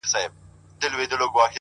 اراده داخلي ضعف ماتوي!